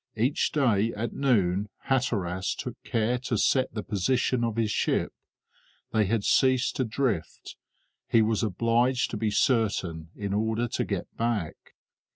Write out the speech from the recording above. Each day at noon Hatteras took care to set the position of his ship; they had ceased to drift; he was obliged to be certain in order to get back.